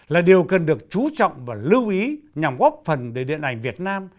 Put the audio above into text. là điều cần được chú trọng và lưu ý nhằm góp phần để điện ảnh việt nam